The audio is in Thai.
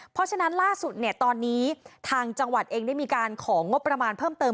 เพราะฉะนั้นล่าสุดเนี่ยตอนนี้ทางจังหวัดเองได้มีการของงบประมาณเพิ่มเติม